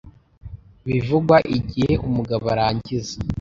Bivugwa igihe umugabo arangiza